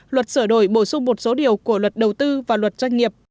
luật sửa đổi bổ sung một số điều của luật đầu tư và luật doanh nghiệp